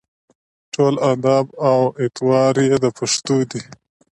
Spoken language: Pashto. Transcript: ټول اداب او اطوار یې د پښتنو دي.